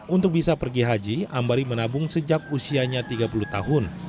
untuk bisa pergi haji ambari menabung sejak usianya tiga puluh tahun